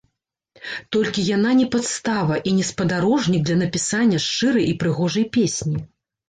Толькі яна не падстава, і не спадарожнік для напісання шчырай і прыгожай песні.